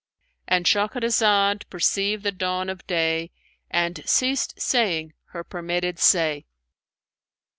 "—And Shahrazad perceived the dawn of day and ceased saying her permitted say.